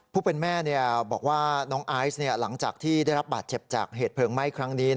ผู้เป็นแม่บอกว่าน้องไอซ์หลังจากที่ได้รับบาดเจ็บจากเหตุเพลิงไหม้ครั้งนี้